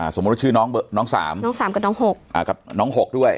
สมมุติชื่อน้องต่อน้อง๓